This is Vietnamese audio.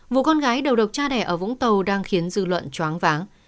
vụ con gái đầu độc cha đẻ ở vũng tàu đang khiến dư luận chóng váng